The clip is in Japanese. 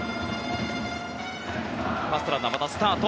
ファーストランナーまたスタート。